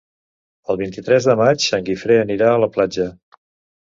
El vint-i-tres de maig en Guifré anirà a la platja.